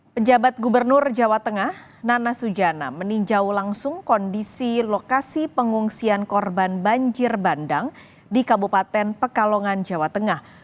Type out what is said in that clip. pejabat gubernur jawa tengah nana sujana meninjau langsung kondisi lokasi pengungsian korban banjir bandang di kabupaten pekalongan jawa tengah